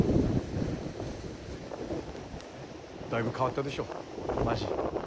だいぶ変わったでしょ町。